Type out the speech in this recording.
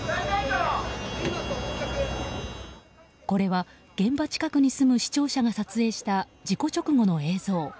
これは現場近くに住む視聴者が撮影した事故直後の映像。